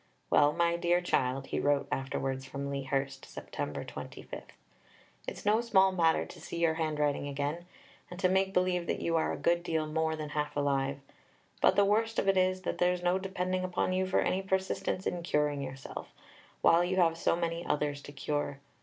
"Well, my dear child," he wrote afterwards from Lea Hurst (Sept. 25), "it's no small matter to see your handwriting again, and to make believe that you are a good deal more than half alive. But the worst of it is, that there's no depending upon you for any persistence in curing yourself, while you have so many others to cure.